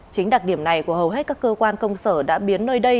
chính đặc điểm này của hầu hết các cơ quan công sở đã biến nơi đây